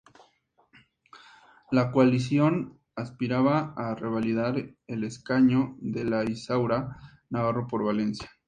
La coalición aspiraba a revalidar el escaño de Isaura Navarro por Valencia.